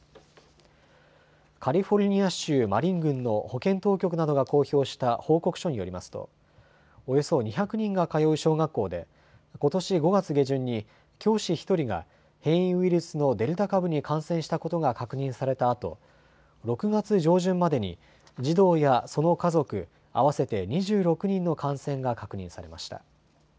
カリフォルニア州マリン郡の保健当局などが公表した報告書によりますとおよそ２００人が通う小学校でことし５月下旬に教師１人が変異ウイルスのデルタ株に感染したことが確認されたあと６月上旬までに児童やその家族合わせて２６人の感染が確認されました。